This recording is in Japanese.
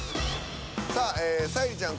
さあええ沙莉ちゃん